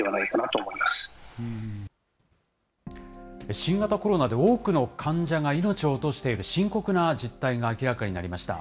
新型コロナで多くの患者が命を落としている深刻な実態が明らかになりました。